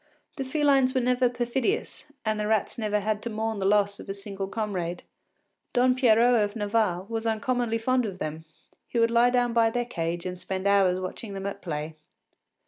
The felines were never perfidious, and the rats never had to mourn the loss of a single comrade. Don Pierrot of Navarre was uncommonly fond of them; he would lie down by their cage and spend hours watching them at play.